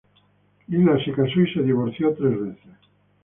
Lila se casó y divorció tres veces.